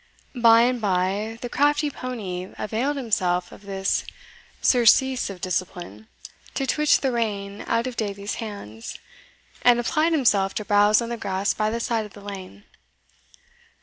By and by, the crafty pony availed himself of this surcease of discipline to twitch the rein out of Davies hands, and applied himself to browse on the grass by the side of the lane.